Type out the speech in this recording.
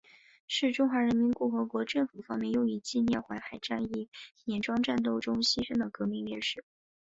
是中华人民共和国政府方面用以纪念淮海战役碾庄战斗中牺牲的革命烈士。